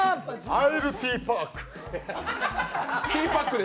アイル・ティー・パック。